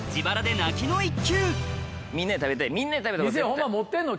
みんなで食べたい。